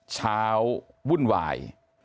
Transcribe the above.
เช้าวุ่นวาย